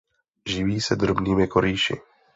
Živí se drobnými korýši.